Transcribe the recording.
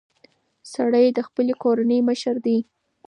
سړی د خپلې کورنۍ مشر دی.